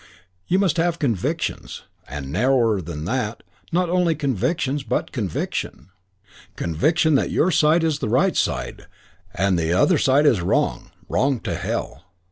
You must have convictions. And narrower than that not only convictions but conviction. Conviction that your side is the right side and that the other side is wrong, wrong to hell."